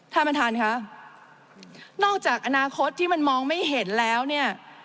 ท่านประธานค่ะนอกจากอนาคตที่มันมองไม่เห็นแล้วเนี่ย